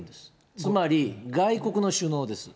つまり外国の首脳です。